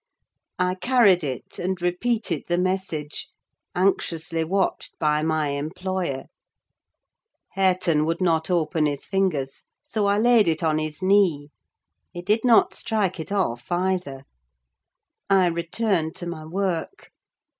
I carried it, and repeated the message; anxiously watched by my employer. Hareton would not open his fingers, so I laid it on his knee. He did not strike it off, either. I returned to my work.